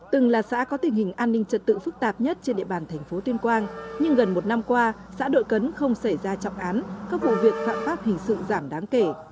từng là xã có tình hình an ninh trật tự phức tạp nhất trên địa bàn thành phố tuyên quang nhưng gần một năm qua xã đội cấn không xảy ra trọng án các vụ việc phạm pháp hình sự giảm đáng kể